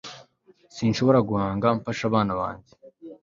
sinshobora guhunga mfashe abana banjye